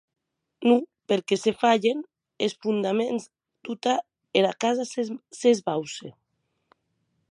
Non, perque se falhen es fondaments, tota era casa s'esbauce.